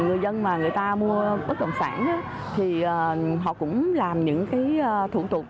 người dân mà người ta mua bất động sản thì họ cũng làm những cái thủ tục